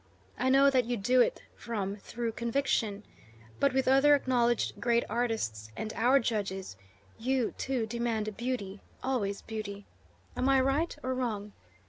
I know that you do it from thorough conviction, but with other acknowledged great artists and our judges, you, too, demand beauty always beauty. Am I right, or wrong?